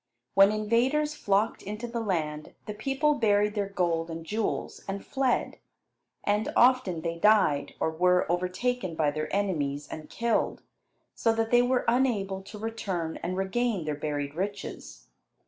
When invaders flocked into the land, the people buried their gold and jewels, and fled. And often they died, or were overtaken by their enemies and killed, so that they were unable to return and regain their buried riches.